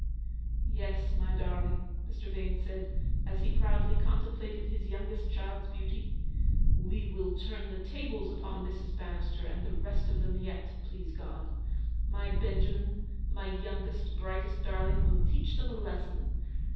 " Yes, my darling/' Mr. Vane said, as he proudly contemplated his youngest child's beauty, "we will turn the tables upon Mrs. Bannister and the rest of them, yet, please God. My Ben jamin; my youngest, brightest darling; we'll teach them a lesson.